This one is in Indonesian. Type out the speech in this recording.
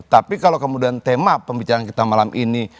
tapi kalau kemudian tema pembicaraan kita malam ini